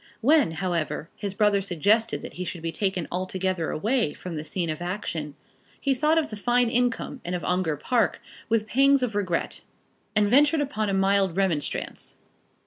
When, however, his brother suggested that he should be taken altogether away from the scene of action, he thought of the fine income and of Ongar Park with pangs of regret, and ventured upon a mild remonstrance.